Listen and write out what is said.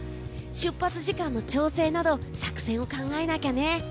出発時間の調整など作戦を考えなきゃね。